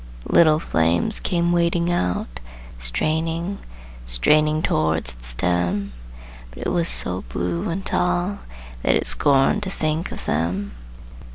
Little flames came wading out, Straining, straining towards its stem, But it was so blue and tall That it scorned to think of them!